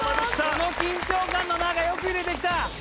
この緊張感の中よく入れてきた。